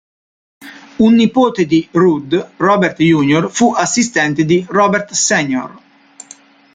Un nipote di Rudd, Robert Jr., fu assistente di Robert Sr.